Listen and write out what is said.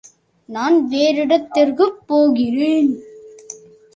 நான் வேறிடத்திற்குப் போகிறேன்.